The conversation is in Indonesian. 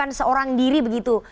yang dilakukan seorang diri begitu